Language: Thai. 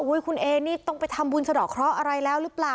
คุณเอนี่ต้องไปทำบุญสะดอกเคราะห์อะไรแล้วหรือเปล่า